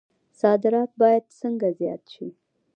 صادرات باید څنګه زیات شي؟